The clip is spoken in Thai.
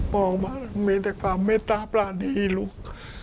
มองมามีแต่ความเมตตาประณีลุก